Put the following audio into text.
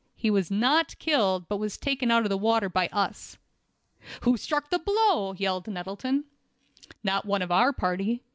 He was not killed, but was taken out of the water by us." "Who struck the blow?" yelled Nettleton. "No one of our party.